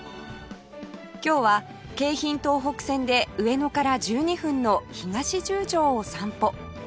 今日は京浜東北線で上野から１２分の東十条を散歩